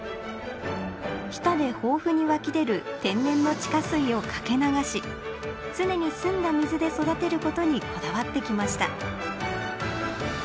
日田で豊富に湧き出る天然の地下水を掛け流し常に澄んだ水で育てることにこだわってきました